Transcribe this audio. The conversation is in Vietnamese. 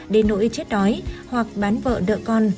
đến nỗi chết đói hoặc bán vợ đợi con